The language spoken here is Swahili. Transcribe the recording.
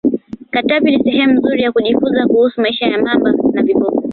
katavi ni sehemu nzuri ya kujifunza kuhusu maisha ya mamba na viboko